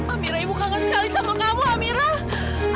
amirah ibu kangen sekali sama kamu amirah